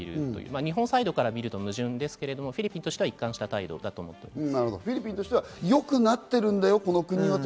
日本サイドから見ると矛盾ですけれども、フィリピンとしては一貫した態度だと思います。